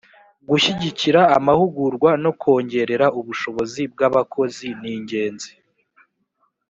gushyigikira amahugurwa no kongerera ubushobozi bwabakozi ningenzi